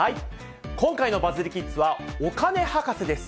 今回のバズりキッズは、お金博士です。